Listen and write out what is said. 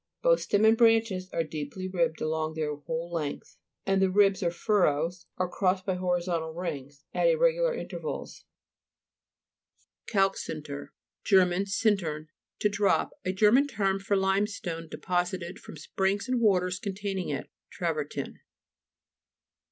Both stem and branches were deeply ribbed along their whole length, and the ribs or furrows were crossed by horizontal rings at irregular inter vals (p. 42). CALC SINTER Ger. sinlern, to drop. A German term for limestone de posited from springs and waters containing it. Travertin.